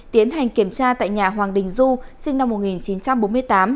tiến hành kiểm tra tại nhà hoàng đình du sinh năm một nghìn chín trăm bốn mươi tám